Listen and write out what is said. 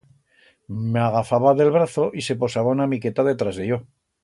M'agafaba d'el brazo y se posaba una miqueta detrás de yo.